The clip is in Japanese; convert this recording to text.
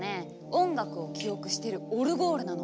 音楽を記憶してるオルゴールなの。